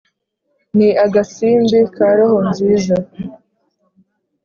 ni agasimbi ka roho nziza